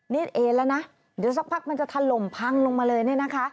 เอแล้วนะเดี๋ยวสักพักมันจะถล่มพังลงมาเลยเนี่ยนะคะ